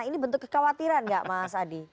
ini bentuk kekhawatiran nggak mas adi